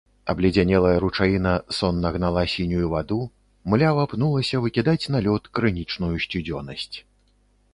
Абледзянелая ручаіна сонна гнала сінюю ваду, млява пнулася выкідаць на лёд крынічную сцюдзёнасць.